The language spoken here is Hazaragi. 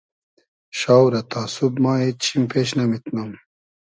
شاو رہ تا سوب ما اېد چیم پېش نئمیتنوم